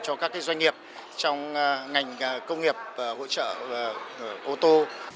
cho các doanh nghiệp trong ngành công nghiệp hỗ trợ ô tô